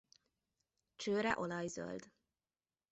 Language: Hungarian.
Csőre olajzöld.